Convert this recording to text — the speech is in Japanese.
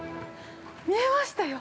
見えましたよ。